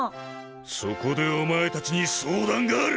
そこでおまえたちに相談がある！